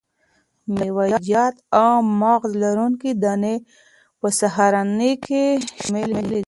میوه جات او مغذ لرونکي دانې په سهارنۍ کې شامل دي.